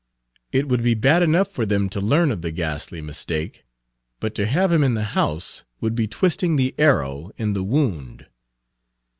It would be bad enough for them to learn of the ghastly mistake, but to have him in the house would be twisting the arrow in the wound.